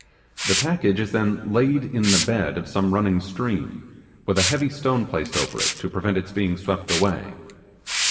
The package is then laid in the bed of some running stream, with a heavy stone placed over it, to prevent its being swept away.